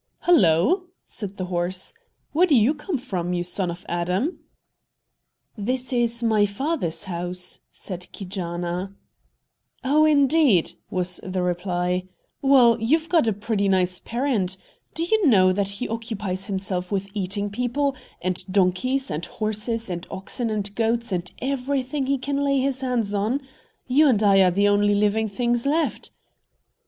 "Hullo!" said the horse; "where do you come from, you son of Adam?" "This is my father's house," said Keejaanaa. "Oh, indeed!" was the reply. "Well, you've got a pretty nice parent! Do you know that he occupies himself with eating people, and donkeys, and horses, and oxen and goats and everything he can lay his hands on? You and I are the only living things left."